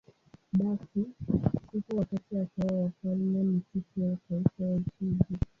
Basi, siku wakati akawa wafalme ni Siku ya Taifa ya Uswidi.